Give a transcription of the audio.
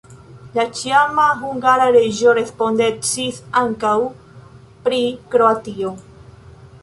La ĉiama hungara reĝo respondecis ankaŭ pri Kroatio.